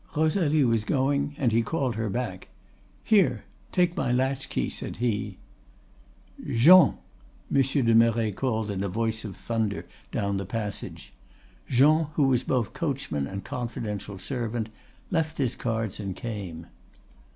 "Rosalie was going, and he called her back. 'Here, take my latch key,' said he. "'Jean!' Monsieur de Merret called in a voice of thunder down the passage. Jean, who was both coachman and confidential servant, left his cards and came.